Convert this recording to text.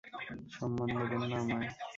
সম্মান দেবেন না আমায়।